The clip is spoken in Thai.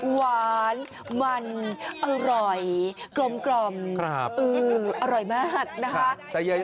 หวานมันอร่อยกลมอร่อยมากนะคะ